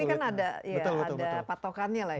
ini kan ada patokannya lah ya